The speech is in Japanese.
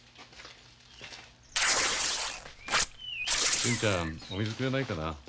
純ちゃんお水くれないかな。